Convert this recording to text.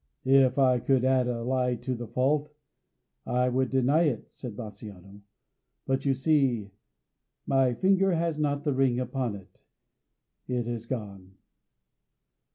"If I could add a lie to the fault, I would deny it," said Bassanio. "But, you see, my finger has not the ring upon it; it is gone."